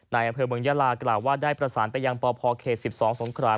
อำเภอเมืองยาลากล่าวว่าได้ประสานไปยังปพเขต๑๒สงคราน